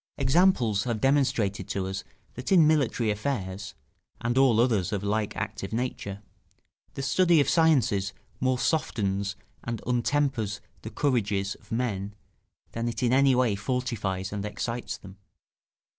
Examples have demonstrated to us that in military affairs, and all others of the like active nature, the study of sciences more softens and untempers the courages of men than it in any way fortifies and excites them.